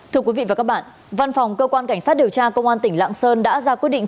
thưa quý vị và các bạn văn phòng cơ quan cảnh sát điều tra công an tỉnh lạng sơn đã ra quyết định